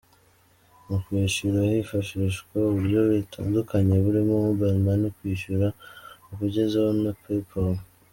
Mu kwishyura hifashishwa uburyo butandukanye burimo Mobile Money, kwishyura ukugezeho na Paypal.